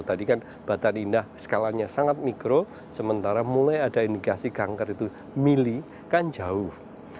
tadi kan batan indah skalanya sangat mikro sementara mulai ada indikasi kanker itu mili kan jauh